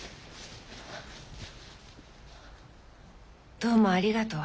どうもありがとう。